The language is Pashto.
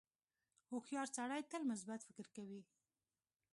• هوښیار سړی تل مثبت فکر کوي.